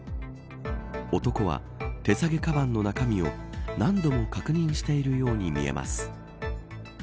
男は手提げかばんの中身を何度も確認しているように見えます。